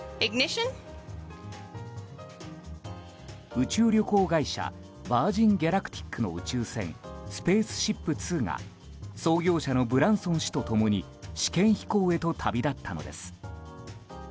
宇宙旅行会社ヴァージン・ギャラクティックの宇宙船「スペースシップ２」が創業者のブランソン氏と共に試験飛行へと旅立ったのです。